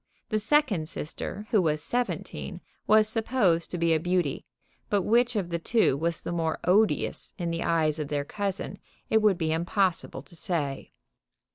The second sister, who was seventeen, was supposed to be a beauty, but which of the two was the more odious in the eyes of their cousin it would be impossible to say.